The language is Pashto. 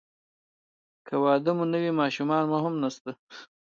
که واده مو نه وي ماشومان هم نشته.